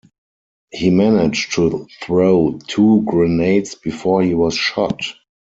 He managed to throw two grenades before he was shot.